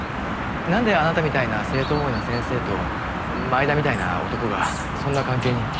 なんであなたみたいな生徒思いの先生と前田みたいな男がそんな関係に？